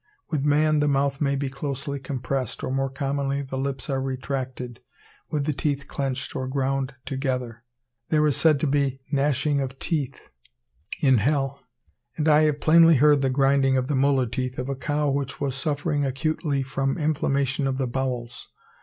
With man the mouth may be closely compressed, or more commonly the lips are retracted, with the teeth clenched or ground together. There is said to be "gnashing of teeth" in hell; and I have plainly heard the grinding of the molar teeth of a cow which was suffering acutely from inflammation of the bowels.